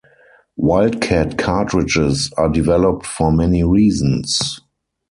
Wildcat cartridges are developed for many reasons.